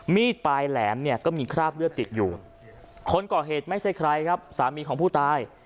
มีดปลายแหลมเนี่ยก็มีคราบเลือดติดอยู่คนก่อเหตุไม่ใช่ใครครับสามีของผู้ตาย